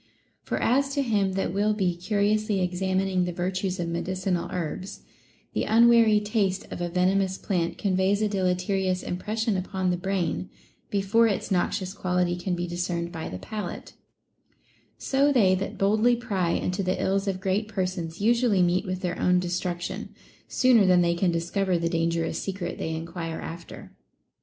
For as to him that will be curiously exa mining the virtues of medicinal herbs, the unwary taste of a venomous plant conveys a deleterious impression upon the brain, before its noxious quality can be dis * Aristophanes, Knights, 79. 430 OF INQUISITIVENESS cerned by the palate ; so they that boldly pry into the ills of great persons usually meet with their own destruc tion, sooner than they can discover the dangerous secret they enquire after.